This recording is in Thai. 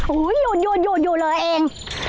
หยุดเลยเอง